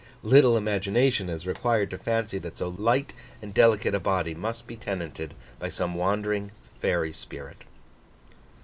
Little imagination is required to fancy that so light and delicate a body must be tenanted by some wandering fairy spirit.